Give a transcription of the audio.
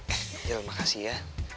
eh angel makasih ya